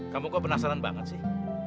kamu kok penasaran banget sih